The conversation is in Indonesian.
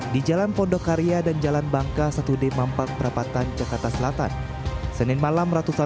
di jalan pondokarya dan jalan bangka satu d mampang perapatan jakarta selatan senin malam ratusan